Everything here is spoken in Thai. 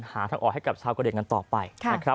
หาทางออกให้กับชาวกะเหลี่ยงกันต่อไป